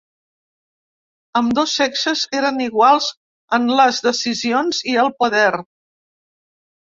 Ambdós sexes eren iguals en les decisions i el poder.